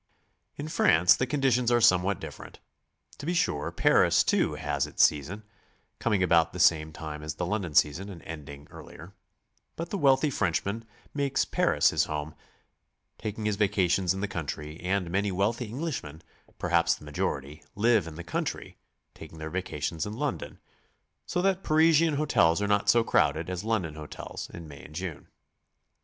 In France the conditions are somewhat different. To be sure, Paris, too, has its season (coming about the same time as the London season and ending earlier), but the wealthy Frenchman makes Paris his home, taking his vaca tions in the country, and many wealthy Englishmen, per haps the majority, live in the country, taking their vacations in London, so that Parisian hotels are not so crowded as London hotels in May and June.